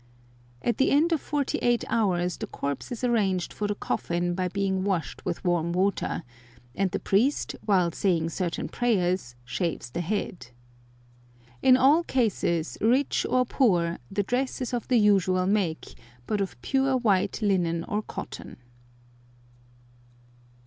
At the end of forty eight hours the corpse is arranged for the coffin by being washed with warm water, and the priest, while saying certain prayers, shaves the head. In all cases, rich or poor, the dress is of the usual make, but of pure white linen or cotton.